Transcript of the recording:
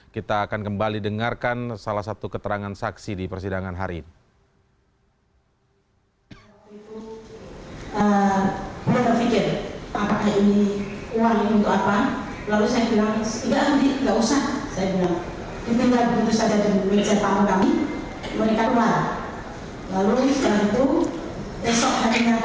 kita akan kembali dengarkan salah satu keterangan saksi di persidangan hari ini